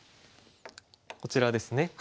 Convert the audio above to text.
こちらですね。